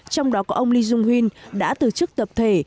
trong đó có ông lê dung huynh đã từ chức tập thể